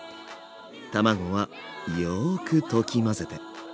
卵はよく溶き混ぜて。